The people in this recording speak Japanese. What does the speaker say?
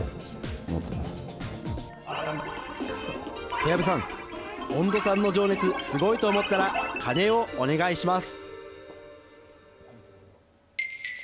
小籔さん、穏土さんの情熱すごいと思ったら鐘をお願いします。